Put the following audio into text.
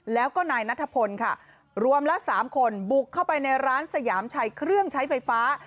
แล้วก็นายนัทพลค่ะรวมละ๓คนบุกเข้าไปในร้านสยามชัยเครื่องใช้ไฟฟ้า